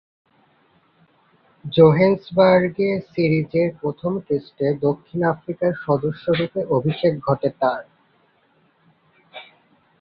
জোহেন্সবার্গে সিরিজের প্রথম টেস্টে দক্ষিণ আফ্রিকার সদস্যরূপে অভিষেক ঘটে তার।